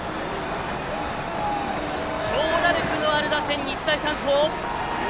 長打力のある打線、日大三高。